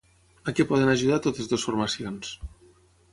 A què poden ajudar totes dues formacions?